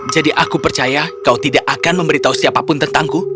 jadi aku percaya kau tidak akan memberitahu siapapun tentangku